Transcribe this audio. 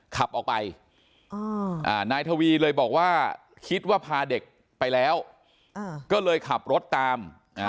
ขับออกไปนายทวีเลยบอกว่าคิดว่าพาเด็กไปแล้วก็เลยขับรถตาม